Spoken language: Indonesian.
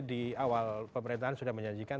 di awal pemerintahan sudah menjanjikan